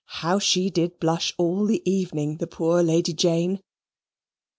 How she did blush all the evening, that poor Lady Jane!